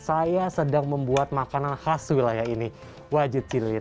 saya sedang membuat makanan khas wilayah ini wajit cilit